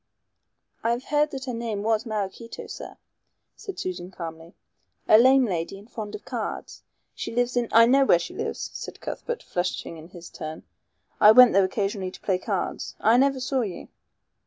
"I have heard that her name was Maraquito, sir," said Susan calmly. "A lame lady and fond of cards. She lives in " "I know where she lives," said Cuthbert, flushing in his turn. "I went there occasionally to play cards. I never saw you."